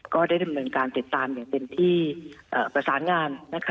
ก็ได้ดำเนินการติดตามอย่างเต็มที่ประสานงาน